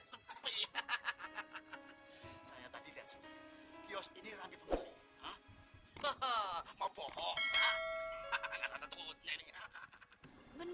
apa yang cegel yang hadir hadi net